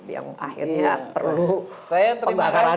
yang akhirnya perlu pembakaran